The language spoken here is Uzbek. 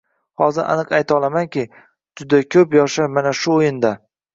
Hozir aniq ayta olamanki, juda koʻp yoshlar mana shu oʻyinda